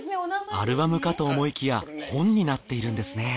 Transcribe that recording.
アルバムかと思いきや本になっているんですね。